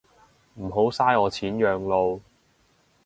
唔好嘥我錢養老